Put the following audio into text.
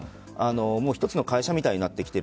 一つの会社みたいになってきている。